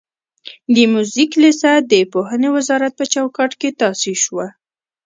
د موزیک لیسه د پوهنې وزارت په چوکاټ کې تاسیس شوه.